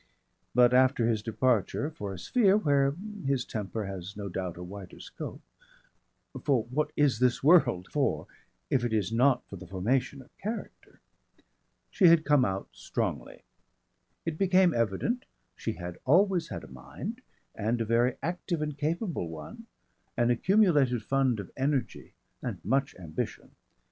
But after his departure for a sphere where his temper has no doubt a wider scope for what is this world for if it is not for the Formation of Character? she had come out strongly. It became evident she had always had a mind, and a very active and capable one, an accumulated fund of energy and much ambition.